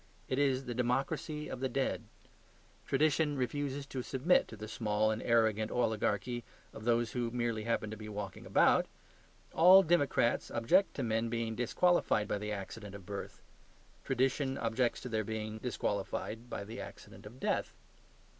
It is the democracy of the dead. Tradition refuses to submit to the small and arrogant oligarchy of those who merely happen to be walking about. All democrats object to men being disqualified by the accident of birth; tradition objects to their being disqualified by the accident of death.